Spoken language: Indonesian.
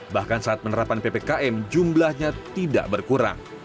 bahkan saat penerapan ppkm jumlahnya tidak berkurang